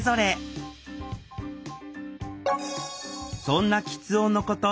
そんなきつ音のこと